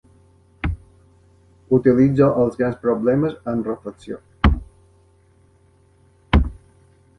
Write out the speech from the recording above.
Utilitzo els grans problemes amb reflexió.